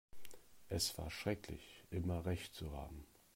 Es war schrecklich, immer Recht zu behalten.